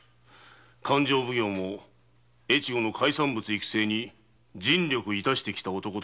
勘定奉行も越後の海産物育成に尽力してきた男と聞いておる。